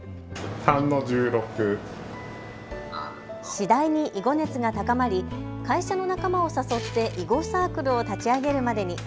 次第に囲碁熱が高まり会社の仲間を誘って囲碁サークルを立ち上げるまでに。